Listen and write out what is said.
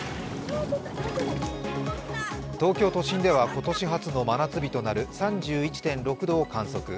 東京都心では今年初の真夏日となる３１．６度を観測。